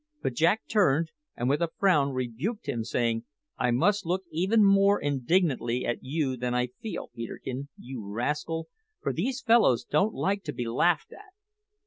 But Jack turned, and with a frown rebuked him, saying, "I must look even more indignantly at you than I feel, Peterkin, you rascal, for these fellows don't like to be laughed at."